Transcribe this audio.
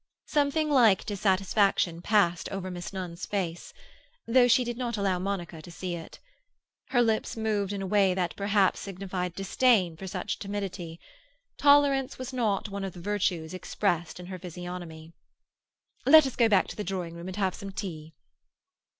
Something like dissatisfaction passed over Miss Nunn's face, though she did not allow Monica to see it. Her lips moved in a way that perhaps signified disdain for such timidity. Tolerance was not one of the virtues expressed in her physiognomy. "Let us go back to the drawing room and have some tea."